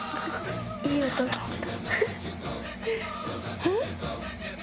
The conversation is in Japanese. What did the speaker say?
いい音がした。